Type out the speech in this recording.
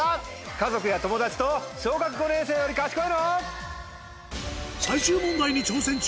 家族や友達と『小学５年生より賢いの？』。